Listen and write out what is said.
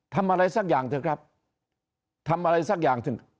ทำอะไรสักอย่างเถอะครับทำอะไรสักอย่างถึง